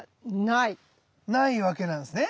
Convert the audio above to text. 無いわけなんですね。